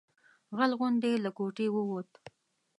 غل غوندې له کوټې ووت.